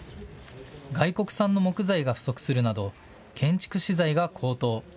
外国産の木材が不足するなど建築資材が高騰。